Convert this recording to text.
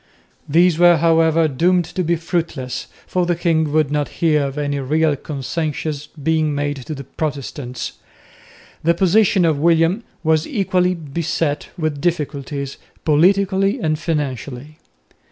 These were, however, doomed to be fruitless, for the king would not hear of any real concessions being made to the Protestants. The position of William was equally beset with difficulties, politically and financially.